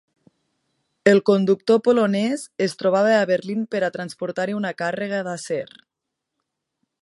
El conductor polonès es trobava a Berlín per a transportar-hi una càrrega d'acer.